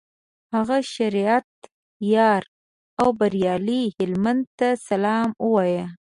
هغه شریعت یار او بریالي هلمند ته سلام وایه.